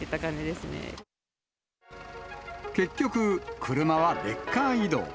結局、車はレッカー移動。